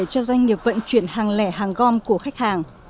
cho doanh nghiệp vận chuyển hàng lẻ hàng gom của khách hàng